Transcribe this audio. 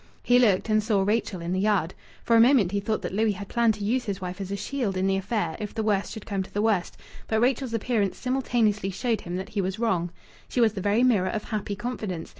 He looked and saw Rachel in the yard. For a moment he thought that Louis had planned to use his wife as a shield in the affair if the worst should come to the worst. But Rachel's appearance simultaneously showed him that he was wrong. She was the very mirror of happy confidence.